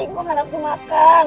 gak harus makan